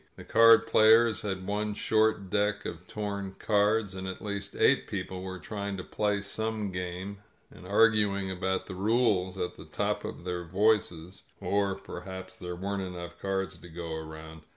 The card players had one short deck of torn cards, and at least eight people were try ing to play some game and arguing about the rules at the top of their voices, or perhaps there weren't enough cards to go around.